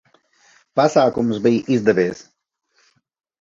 Pasākums bija izdevies!